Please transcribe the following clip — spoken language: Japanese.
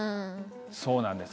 そうなんです。